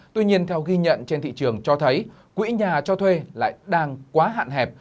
tuy nhiên theo ghi nhận trên thị trường cho thấy quỹ nhà cho thuê lại đang quá hạn hẹp